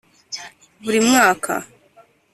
buri mwaka,